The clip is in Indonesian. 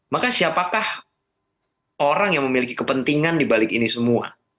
maka siapakah orang yang memiliki kepentingan dibalik ini semua